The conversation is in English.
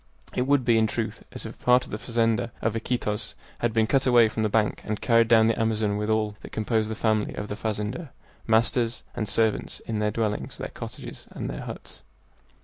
It would be, in truth, as if a part of the fazenda of Iquitos had been cut away from the bank and carried down the Amazon with all that composed the family of the fazender masters and servants, in their dwellings, their cottages, and their huts.